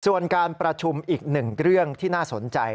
ส่วนการประชุมอีกหนึ่งเรื่องที่น่าสนใจ